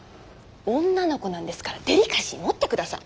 女の子なんですからデリカシー持ってください。